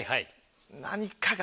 何かが。